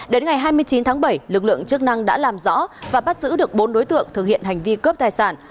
đến ngày hai mươi chín tháng bảy lực lượng chức năng đã làm rõ và bắt giữ được bốn đối tượng thực hiện hành vi cướp tài sản